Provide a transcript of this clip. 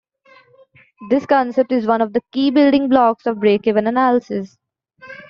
This concept is one of the key building blocks of break-even analysis.